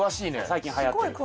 最近はやってる。